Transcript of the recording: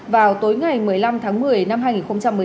vào tối ngày một mươi năm tháng một mươi năm hai nghìn một mươi chín